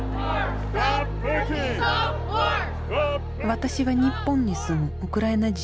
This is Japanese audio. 私は日本に住むウクライナ人。